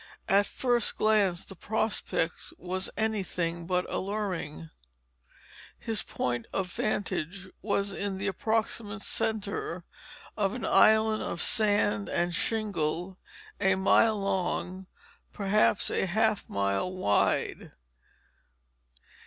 At first glance the prospect was anything but alluring. His point of vantage was in the approximate center of an island of sand and shingle, a mile long, perhaps, by half a mile wide.